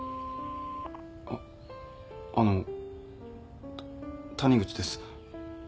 あっあの谷口です。